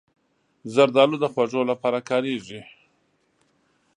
زردالو د خوږو لپاره کارېږي.